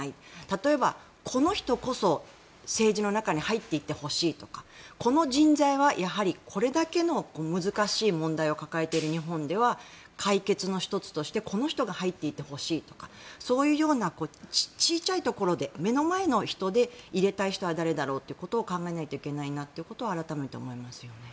例えばこの人こそ政治の中に入っていってほしいとかこの人材はやはりこれだけの難しい問題を抱えている日本では解決の１つとしてこの人が入っていてほしいとかそういうような小さいところで目の前の人で入れたい人は誰だろうということを考えないといけないなと改めて思いますよね。